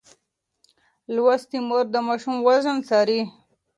لوستې مور د ماشوم وزن څاري.